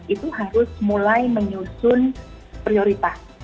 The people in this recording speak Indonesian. itu harus mulai menyusun prioritas